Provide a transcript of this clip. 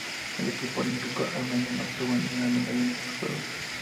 El equipo olímpico armenio no obtuvo ninguna medalla en estos Juegos.